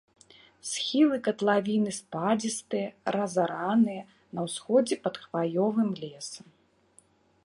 Схілы катлавіны спадзістыя, разараныя, на ўсходзе пад хваёвым лесам.